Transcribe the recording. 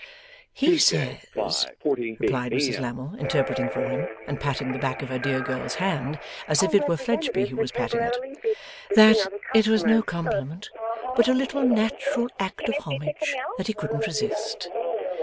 'He says,' replied Mrs Lammle, interpreting for him, and patting the back of her dear girl's hand, as if it were Fledgeby who was patting it, 'that it was no compliment, but a little natural act of homage that he couldn't resist.